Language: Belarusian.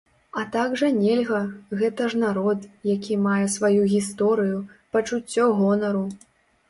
А так жа нельга, гэта ж народ, які мае сваю гісторыю, пачуццё гонару.